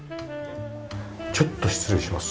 ちょっと失礼します。